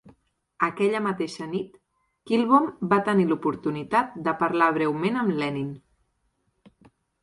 Aquella mateixa nit, Kilbom va tenir l'oportunitat de parlar breument amb Lenin.